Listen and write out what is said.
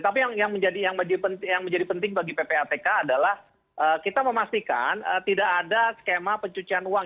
tapi yang menjadi penting bagi ppatk adalah kita memastikan tidak ada skema pencucian uang